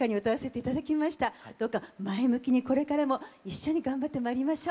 どうか前向きにこれからも一緒に頑張ってまいりましょう。